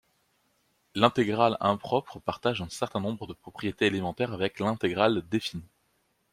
L'intégrale impropre partage un certain nombre de propriétés élémentaires avec l'intégrale définie.